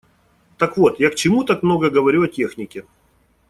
Так вот, я к чему так много говорю о технике.